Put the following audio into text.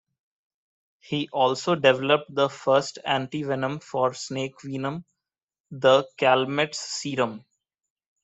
He also developed the first antivenom for snake venom, the Calmette's serum.